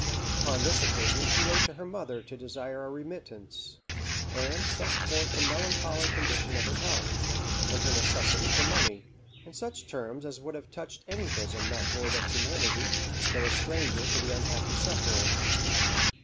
Upon this occasion she wrote to her mother to desire a remittance, and set forth the melancholy condition of her health, and her necessity for money, in such terms as would have touched any bosom not void of humanity, though a stranger to the unhappy sufferer.